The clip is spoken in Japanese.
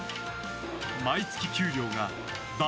毎月、給料が倍！